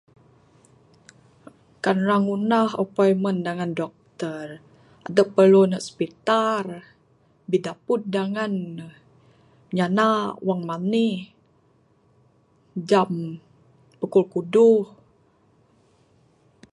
Kan ira ngundah appointment dengan doktor adep perlu ndek hospital bideput dengan ne nyenda wang menih jam pukul kuduh.